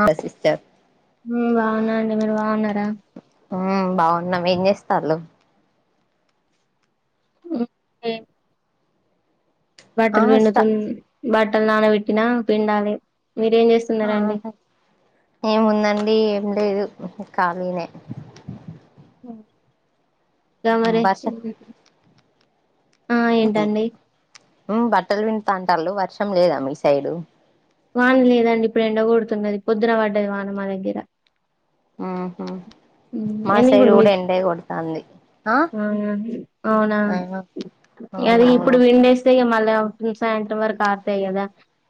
ఆ సిస్టర్ మేము బాగున్నం అండి మీరు బాగున్నారా ఉహ్ బావున్నామ్ ఏం జెస్తాలు ఉహ్ ఎమ్ ఆ బట్టలు స్ట విడుతున్ బట్టలు నానబెట్టినా పిండాలి మీరేం జేస్ ఏముందండి ఏం లేదు ఖాళీనే దా మరి వర్షం ఆ ఏంటండి ఉ బట్టలు వింటతా అంటాళ్ళు వర్షం లేదా మీ సైడు. వాన లేదండి. ఇప్పుడు ఎండగొడుతున్నది పొద్దున పడ్డది వాన మా దగ్గర. ఉహుహ్ హ్మ్ మా ఎందుకు సైడ్ ఇప్పుడు గూడా మిస్ ఎండే గొడతాంది. అవునా అవునా అది అవునవును ఇప్పుడు విండేస్ స్తే గా మళ్ళా సాయంత్రం వరకు ఆరతాయి గదా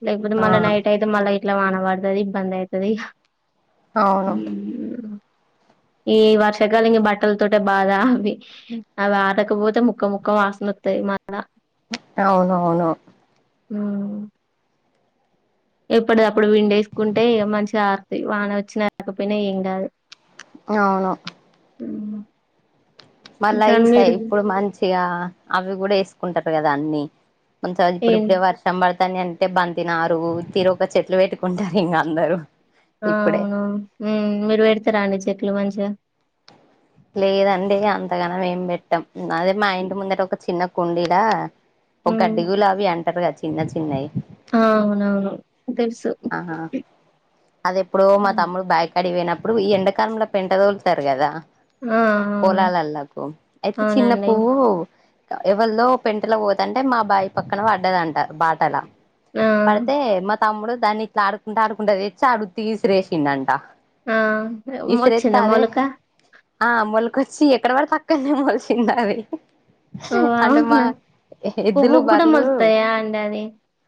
లేకపోతే ఆ మళ్ళీ నైట్ అయితే మళ్ళా ఇట్లా వాన పడుతుది ఇబ్బంది అయితది ఇగా అవును ఈ వర్షకాల ఈ బట్టల తోట బాధ అవి అవి ఆటకపోతే ముక్క ముక్క వాసన వస్తాయి మళ్ళా. అవునవునో ఉహ్మ్ ఎప్పడ్ది అప్పుడు విండ్ ఏసుకుంటే ఇగా మంచిగా అర్థయ్ వాన వచ్చిన రాకపోయినా ఏం కాదు. న్యావును హెయా మళ్ళా ఇసై ఇప్పుడు మంచిగా అవి గూడా ఏసుకుంటారు గదా అండి. మంచాయద్ ఏం ఇప్పుడుప్పుడే వర్ష్ తం బడతాని అంటే బంతినారు తీరొక్క చెట్లు పెట్టుకుంటారు ఇగా అందరు. ఆ అవును ఉహ్ మీరు వెడతారా అండి చెట్లు మంచిగా లేదండి అంతగానం ఏం బెట్టాం అదే మా ఇంటి ముందార ఒక చిన్న కుండీలా. ఒక హ్మ్ గడ్డిగులా అవి అంటారు గా చిన్న చిన్నయ్. ఆ అవునవును తెలుసు ఆహా అది ఎప్పుడు మా తమ్ముడు బ్యాగ్ అడివోయినప్పుడు ఈ ఎండాకాలంలో పెంటా తొల్తారు గదా వా పొలాలకు అయితే చిన్న పువ్వు. ఎవలదో పెంటలో పోతుంటే మా బాయ్ పక్కన పడ్డదంటా బాటలా ఆ పడితే మొంత్ తమ్ముడు దాన్ని ఇట్లా ఆడుకుంటూ ఆడుకుంటా తెచ్చి ఆడు ఉంతిగిసిరేసిడంట. ఆ మోచ్చిందా మోలక ఆ మొలకొచ్చి ఎక్కడ వడితే అక్కనే మొలషింది అది. ఓ అంటే మా అవునా ఎద్దులు పువ్వుకు కూడా బర్లు మొలుస్తాయా అండి అది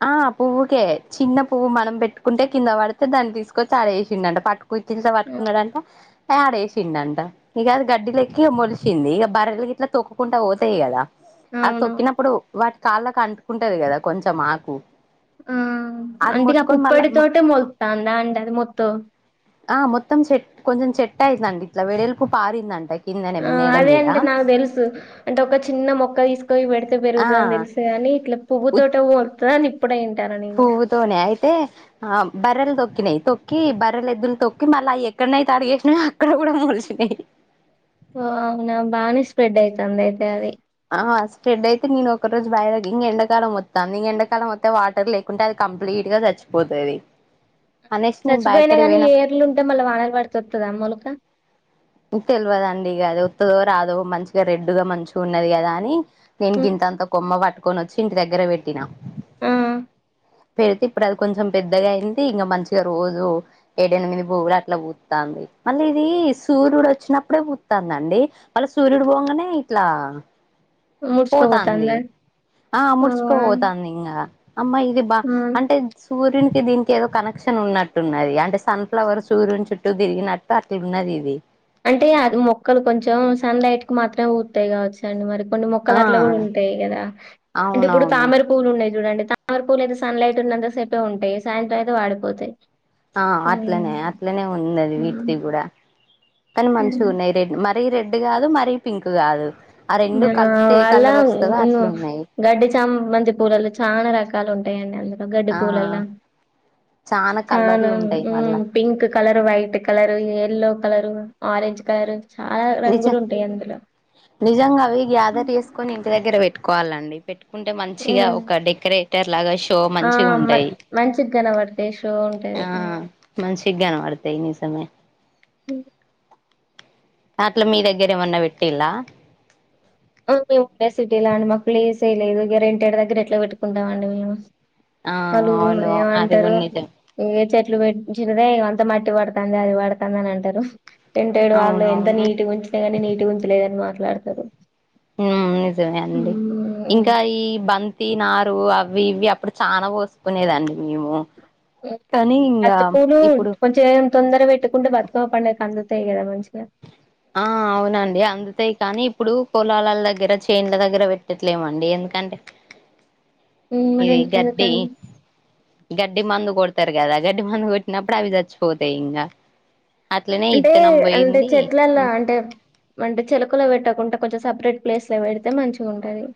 ఆ పువ్వుకే చిన్న పువ్వు మనం బెట్టుకుంటే కింద వడితే దాన్ని దిసుకొచ్ ఆడేచిండంట పట్టక్ కూతుల్సా వట్టుకున్నాడంట యా ఆడేసిండంట. ఇగా అది గడ్డి లెక్కి మొల్చింది. ఇగా బర్రలు గిట్లా తొక్కుంకుంటా ఓతాయి గదా. అది అవును తొక్కినప్పుడు వాటి కాళ్ళకి అంటుకుంటది కదా కొంచెం ఆకు ఉహ్ అది అంటే ఇగా ఆ ముట్టుకొని పుప్పడి మళ్ళా తోటే మొల్తాందా అండి అది మొత్తం. ఆ మొత్తం సెట్ కొంచెం చెట్ అయితదండి ఇట్లా వెడేలుపు పారిందంట ఏక్ ఆ అదే అంటే నాగ్ దేల్సు. అంటే ఒక చిన్న మొక్క తీసుక ఓయ్ పెడితే ఆ పెరుగుతదని దెలుసుగాని ఇట్లా పువ్వు తోటే ఓర్పుతాదని. ఇప్పుడే ఇటన్నా నేను. తోనే అయితే ఆ బర్రెలు తొక్కినాయి తొక్కి బర్రలు ఎద్దులు తొక్కి మళ్ళీ అయ్యి ఎక్కడనైతే అడిగేసినయో అక్కడ కూడా మోలిసినాయి ఓ అవునా బానే స్ప్రెడ్ అయితంది అయితే అది ఆ స్ట్రెడ్ అయితే నేను ఒక రరోజు బాయి ఇంగ ఎండాకాలం ఒత్తంది ఇంగ ఎండకాలం ఒత్తె వాటర్ లే కుంటే అది కంప్లీట్ గా చచ్చిపోతది అనేసి నేను చచ్చపోయినా బయటకాడికి కానీ పోయినప్పుడు ఏర్లు ఉంటే మళ్ళా వానలు పడుతొత్తదా మోలక తెల్వదండిగా ఉత్తదో రాదో మంచిగా రెడ్డుగా మంచిగా ఉన్నది కదా అని నేను ఉమ్, గింతంత కొమ్మ పట్టుకొనోచ్చి ఇంటి దగ్గర పెట్టినా ఆ పెడితే ఇప్పుడు అది కొంచెం పెద్దగా అయింది ఇంకా మంచిగా రోజు ఏడ ఎనిమిది బోగులు అట్లా పూతంది మళ్ళీ ఇది సూర్యుడు వచ్చినప్పుడే పుత్తందండి మళ్ళ సూర్యుడు పొంగనే ఇట్లా పోతాంది ముడుచుకపోతాందా ఆ ముడుచుక పోతాందింగా అమ్మా ఇది బా ఆ అంటే సూర్యునికి దీనికి ఏదో కనెక్షన్ ఉన్నట్టున్నది అంటే సన్ఫ్లవర్ సూర్యుని చుట్టూ తిరిగినట్ తటిన్నదిది అంటే అది మొక్కలు కొంచెం సన్లైట్ కు మాత్రమే పు కావచ్చండి మరి కొన్ని మొక్కలు ఆ అట్లా కూడా ఉంటాయి కదా అంటే ఇప్పుడు అవునవును తామేర పూలు ఉన్నాయి చూడండి తమర పూలయితే సన్ లైట్ ఉన్నంతా సేపే ఉంటాయి సాయంత్రం అయితే వాడిపోతాయి ఆ అట్లనే అట్లనే ఉన్నది వీటిది కూడా కానీ మంచిగున్నాయి రెడ్ మరీ రెడ్ కాదు మరీ పింక్ కాదు ఆ రెండు ఆ కలిపితే ఏ వాళ్ళ కలర్ వస్తవో ఉన్ను అట్లున్నాయి గడ్డి చామంతి పూలల్ల చాలా రకాలు ఉంటాయండి అందు గడ్డి ఆ పూలల్ల చానా కలర్లు ఉంటాయి మళ్ళా ఉహ్ pink colour white colour yellow colour orange colour చాలా రంగులు నిజం ఉంటాయి అందులో నిజంగా అవి గ్యాదర్ చేసుకొని ఇంటి దగ్గర పెట్టుకోవాలండి పెట్టు కుంటే మంచిగా ఉమ్. ఒక డెకరేట్ టర్ లాగా షో ఆ మ- మంచిగుంటయి మంచిగా కనబడతాయి షో ఉంటది ఆ ఉమ్. మంచిగనవడతయి నిజమే దాంట్ల మీ దగ్గర ఏమన్నా పెట్టిల్లా మేము ఉండేది సిటీలా అండి మాకు ప్లేసేలేదు ఇగ రెంటేడు దగ్గర ఎట్లా పెట్టుకుంటాంమండి మేము ఆ వాళ్ళు అవును అది ఏమంటారు కూడా నిజం ఏ చెట్లు పెట్ంచినదే అంత మట్టి పడుతంది అది పడుతంది అని అంటారు రెంటేడ్ వాళ్ళు ఎంత అవునవును నీట్గుగుంచిన గాని నీట్ గుంచలేదని మాట్లాడతారు ఆ నిజమే అండి ఉమ్, ఇంకా ఈ బంతి నారు అవి ఇవి అప్పుడు చానా పోసుకునేదండి మేము కానీ ఇంగా బంతిపూలు ఇప్పుడు కొంచెం తొందర పెట్టుకుంటే బతుకమ్మ పండుగకి అందుతాయి కదా మంచిగా ఆ అవునండి అందుతాయి కానీ ఇప్పుడు పోలాల దగ్గర చెన్లా దగ్గర పెట్టట్లేమండి ఎందుకంటే ఉ మరి ఇది ఎంద్ గడ్డి ఎందుకండి గడ్డి మందు కొడతారు కదా గడ్డి మందు కొట్టినప్పుడు అవి చచ్చిపోతాయి ఇంగ అంటే అంటే చెట్లల్లా అంటే అంటే చెలుకలో పెట్టకుంటా కొంచెం సపరేట్ ప్లేస్ల పెడితే మంచిగుంటది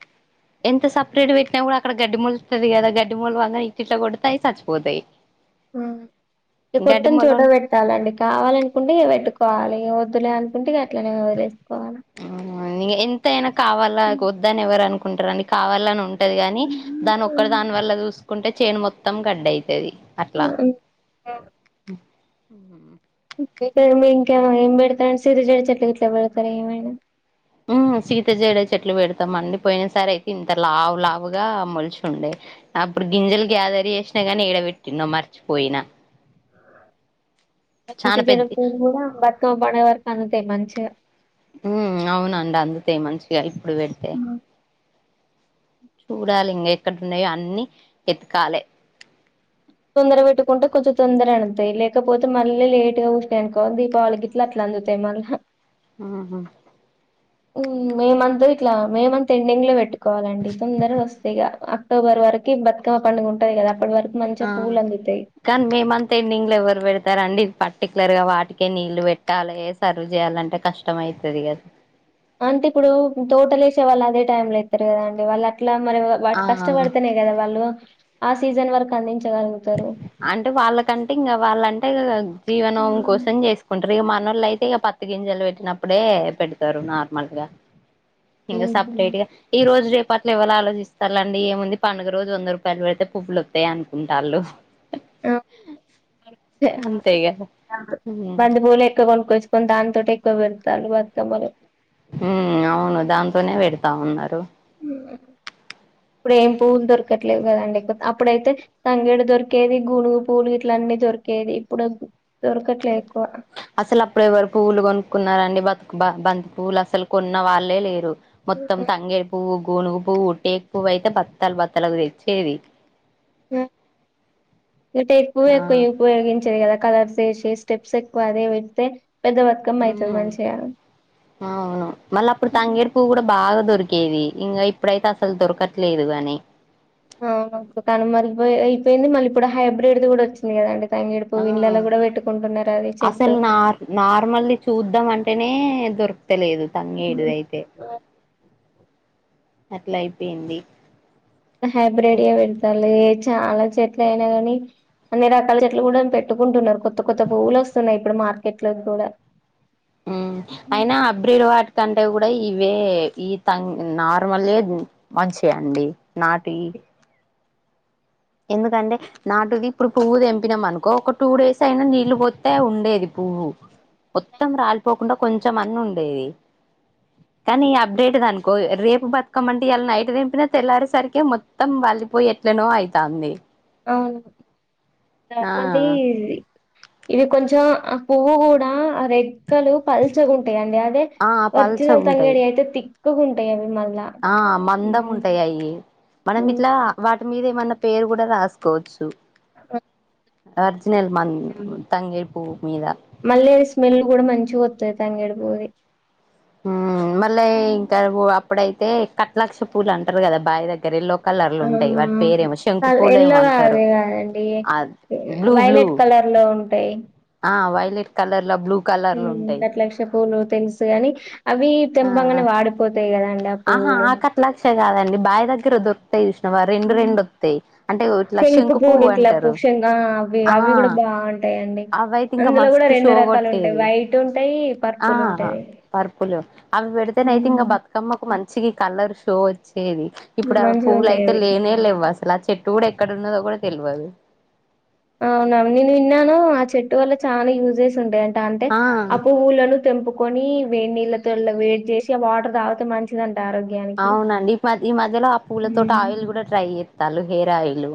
ఎంత సపరేట్ పెట్టినా కూడా అక్కడ గడ్డిమోలుతది కదా గడ్డి మోలువంగ ఇట్టిట్లా కొడతాయి చచ్చిపోతాయి ఆ గడ్డి కొట్టన్ చోట వెట్ మొలవని వేట్టాలండి కావాలనుకుంటే పెట్టుకోవాలి వద్దులే అనుకుంటే అట్లనే వదిలేసుకోవాలి అవు ఎంతైనా కావాలా వద్దాని ఎవరు అనుకుంటారండి కావాలా అని ఉం ఉంటది కాని దాని ఒక్క దాని వల్ల చూసుకుంటే చైన్ మొత్తం గడ్డ అవుతుది అట్లా ఇ మీ ఇంకే ఏం పెడతారని సిరి చెడ్ చెట్లు ఇట్లా పెడతార ఏమైనా హ్మ్ సీత జేడ చెట్లు పెడతాం అండి పోయిన సారి అయితే ఇంత లావు లావుగా మలిచి ఉండే అప్పుడు గింజలు గ్యాదర్ చేసినా గానీ ఈడబెట్టింద మర్చిపోయినా ఆ సీత చానా జడ పెద్ద పువ్వు కూడ బత్కమ్మ పండుగకు [unintelligible] అంతే మంచిగ హ్మ్ అవునండి అంతేే మంచిగా ఇప్పుడు పెడితే చూడాలి ఇంక ఎక్కడ ఉన్నాయో అన్ని ఎతకాలి తొందర పెట్టుకుంటే కొంచెం తొందర అంటతాయి లేకపోతే మళ్ళీ లేట్గా ఊయనుకోవి దీపవళికి లట్ల అందుతాయ్ మళ్ళా హ్మ్ హు హ్మ్ మేమంత ఇట్లా మే మంత్ ఎండింగ్ లో పెట్టుకోవాలండి తొందర వస్థాయి ఇగ అక్టోబర్ వరకు బతుకమ పడుగ ఉంటుది కదా అప్పటి వరకు మంచి ఆ పూల్ అందుతాయి కానీ మేమంతా ఎండింగ్ లో ఎవరు పెడతారండి పర్టికులర్ గా వాటికే నీళ్ళలు పెట్టాలి సర్వ్ చేయాలంటే కష్టం అయ్తది కదా అంటే ఇప్పుడు తోటలు వేసే వాళ్ళుదే టై లో ఇస్తారు కదా అండి వాళ్ళు అట్ మరి వా ఆ కష్టపడితేనే కదా వాళ్ళు ఆ సీజన్ వరకు అందించగలుగుతారు అంటే వాళ్ళకంటే ఇంకా వాళ్ళంటే జీవనం కోసం అర్ధం చేసుకుంటారు ఇక మన వాళ్ళ అయితే ఇక పతు గింజలు పెట్టినప్పుడే పెడతారు నార్మల్ గా ఇకా ఉహు. సపరేట్గా ఈ రోజు రేపట్ల ఎవరు ఆలోచిస్తాలండి ఏముంది పండుగ రోజు వంద రూపాయలు పెడితే పువులు వస్తాయి అనుకుంటాల్ ఆళ్ళు ఓ అంతే కదా [inaudible] ఉమ్ మందు పూలు ఎక్కువ కొనుకొవచ్చు కొ దాంతంతో ట ఎక్కువ పెరుత మరి ఉ అవును దాంతోనే పెడతా ఉన్నారు ఇప్పుడు ఏం పూలు దొరకట్లేల్ కదండి అప్పుడైతే తంగేడు దొరికేది గునుగు పూలు ఇట్ల అన్నీ దొరికేది ఇప్పుడు దొరకట్లే ఎక్కువ అసలు అప్పుడు ఎవరు పువ్వులు కొనుక్కున్నారంండి బతుకు బంతి పువ్వులు అసలు కొన్న వాళ్ళే లేరు మొత్తం తంగేడి పువ్వు గోనుగు పువ్వు టేక్ పువ్వు అయితే బత్తాలు బత్తాలుకు తెచ్చేది హ్మ్ ఇటేపు ఆ ఎకువ్ ఉపయోగించది కదా కలర్స్ వేసి స్టెప్స్ ఎక్కువ అది పెడితే పెద్ద వతకమ్ అతుంది మంచిగా అవును మళ్ళీ అప్పుడు తంగేడి పువ్ కూడా బాగా దొరిక్ దొర్కెవి ఇంకా ఇప్పుడైతే అసలు దొరకట్లేదు గాని కానీ మళ్ళయి అయిపోయింది మళ్ళీ ఇప్పుడు హైబ్రిడ్ కూడా వచ్చింది కదండి తంగేడి ఆ పువ్వు ఇంళ్లలో కూడా పెట్టుకుంటున్నారు అది చెట్టు నార్మల్లీ చూద్దాం అంటేనే దొరుక్త లేదు తంగేడు ఉమ్. అయితే అట్లా అయిపోయింది హైబ్రిడ్ పెడతాలి చాలా చెట్ల అయినా గానీ అన్ని రకాల చెట్లు కూడా పెట్టుకుంటున్నారు కొత్త కొత్త పువ్వులు వస్తున్నాయి ఇప్పుడు మార్కెట్ లో కూడా హ్మ్ అయినా అబ్రిర్ వాటి కంటే కూడా ఇవే ఈ త నార్మల్ మంచిగా అండి నాటివ్ ఎందుకంటే నాటుది ఇప్పుడు పువ్వు తెంపినాం అనుకో ఒక టూ డేస్ అయినా నీళ్లు పోతే ఉండేది పువ్వు మొత్తం రాలిపోకుండా కొంచెం అన్న ఉండేది కానీ అప్డేట్ది అనుకో రేపు బతుకమంటే ఇలా నైట్ దెంపినా తెల్లారేసరికి మొత్తంళ్ళలిపోయి ఎట్లేనో అయి టాంది అవును ఆ నార్మల్ ది ఇవి కొంచెం ఆ పువ్వు కూడా ఆ రెక్కలు పల్చగా ఉంటాయండి అదే ఆ ఒరిజినల్ పల్చగుంటాయి తంగడి అయితే తిక్కుగా ఉంటాయి అవి మళ్ళా ఆ మందం ఉంటాయి అవి మనం ఇట్లా వాటి మీద ఏమన్నా పేరు కూడా రాసుకోవచ్చు వర్జినల్ మన్ ఉ తంగేడు పువ్వు మీద మళ్ళీ స్మెల్ కూడా మంచిగా వతది తంగేడి పువ్వుది ఆ మళ్ళీ ఇంకా అప్పుడైతే కట్లాక్ష పూలు అంటారు కదా బావి దగ్గర లో ఏమో ఎల్లో అంటారు అదే కాదండి ఆ బ్లూ బ్లూ వైలెట్ కలర్ లో ఉంటాయి ఆ వైలేట్ కలర్ల బ్లూ కలర్లు ఉంటాయి ఆ లక్ష పూలు తెలుసు కని అవి ఆ తెంపంగానే వాడిపోతాయి కదా అండి ఆ పువ్వులు లక్ష కదండి బాయి దగ్గర వొ టాయి చూసినవ రెండు రెండు వస్తాయి అంటే ఇట్లా శంకు పూలు పువ్వు ఇట్లా అంటారు పుషంగా అవి ఆ అవి కూడా బాగుంటాయిండి అవి అయితే ఇంకా అందులో కూడా మస్తు రెండు షో రకాలు ఉంటాయి కొట్టేది వైట్ ఉంటాయి ఆ పర్పుల్ ఉంటది పర్పులు అవి పెడతనైతే ఇంకా బతుకమ్మకు మంచి కలర్ షో వచ్చేది ఇప్పుడు ఆ మంచిగా ఉంటాయి పువ్లులయితే అవి లేనే లేవు అసలు ఆ చెట్టు కూడా ఎక్కడ ఉన్నదో కూడా తెలియదు అవునవును నేను విన్నాను ఆ చెట్టు వల్ల చాలా యూజ్ స్ ఉంటాయి అంట అంటే ఆ పువ్వులను తెం కొని వేడి నీళ్ళతో వేట్ చేసి ఆ వాటర్ తాగితే మంచిదింట ఆ అవునండి ఈ మ ఈ మధ్యలో ఆ పువ్వుల తోట ఆయిల్ కూడా ట్రై చేస్తారు హెయిర్ ఆయిల్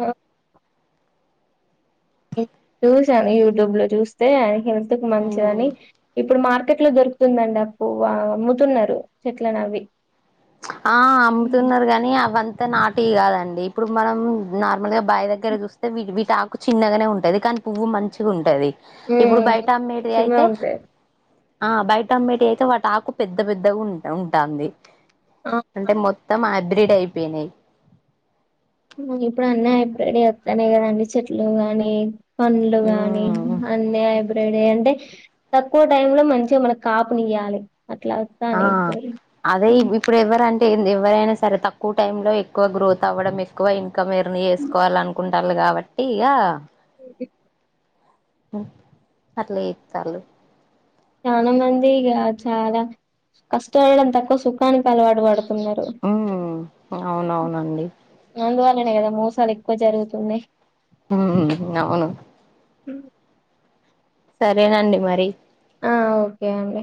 ఆ చూసాను యూట్యూబ్ లో చూస్తే హెల్త్ కు మంచిదని ఇప్పుడు మార్కెట్ లో దొరుకుతుందండి ఆ పువ్వు అమ్ముతున్నారు చెట్లలను అవి ఆ అమ్ముతున్నారు గాని కానీ అవంతా నాటి కాదండి ఇప్పుడు మనం నార్మల్గా బాయి దగ్గర చూస్తే వీటి చిన్నగానే ఉంటది కానీ పువ్వు మంచిగా ఉంటది ఇప్పుడు బయట అమ్మేది ఉమ్ మంచిగా అయితే ఉంటాయి ఆ బయట అమ్మేటి అయితే వాటి ఆకు పెద్ద పెద్దగా ఉంట ఉంటాంది ఆ అంటే మొత్తం హైబ్రిడ్ అయిపోయినాయి ఇప్పుడు అన్ని హైబ్రిడ్ యే వస్తన్నాయి కదండి చెట్లు గాని పండ్లు గాని ఉమ్ అన్నీ హైబ్రైడ అంటే తక్కువ టైమ్ లో మంచిగా మనకు కాపునియ్యాలి అట్లా ఆ వస్తానయి ఇప్పుడు అదే ఇప్పుడు ఎవరంటే ఎవరైనా సరే తక్కువ టైమ్ లో ఎక్కువ గ్రోత్ అవ్వడం ఎక్కువ ఇన్కమ్ ఎర్న్ చేసుకోవాలనుకుంటాల్లు కాబట్టి ఇక ఈ అట్లా చెత్తళ్లు చాలా మంది ఇగ చాలా కష్టపడడం తక్కువ సుఖానికి అలవాటు పడుతున్నారు ఉ అవునవునండి అందువల్లనే కదా మోసాలు ఎక్కువ జరుగుతున్నాయి హ అవును ఇ సరేనండి మరి ఆ ఓకే అండి